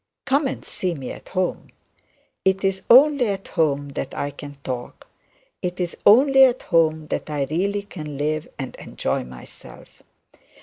Come and see me at home. It is only at home that I can talk; it is only at home that I really can live and enjoy myself.